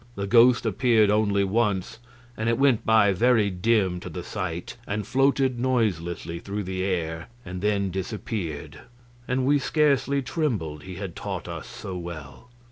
The ghost appeared only once, and it went by very dim to the sight and floated noiseless through the air, and then disappeared; and we scarcely trembled, he had taught us so well.